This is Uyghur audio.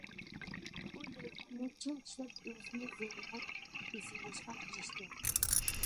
ئۇ لەۋلىرىنى چىڭ چىشلەپ، ئۆزىنى زورىغا بېسىۋېلىشقا تىرىشتى.